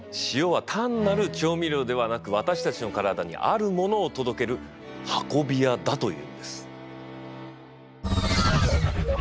塩は単なる調味料ではなく私たちの体にあるものを届ける運び屋だというんです。